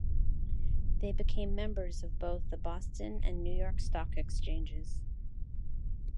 They became members of both the Boston and New York Stock Exchanges.